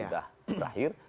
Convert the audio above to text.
waktu sudah berakhir